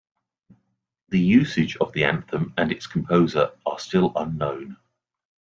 The usage of the anthem and its composer are still unknown.